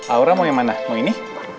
aura mau yang mana mau ini